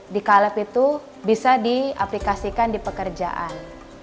di caleb itu bisa diaplikasikan di pekerjaan